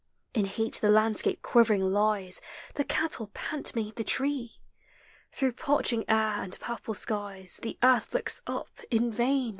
In heat the landscape quivering lies; The cattle pant beneath the tree; Through parching air ami purple skies The earth looks up, i" vain.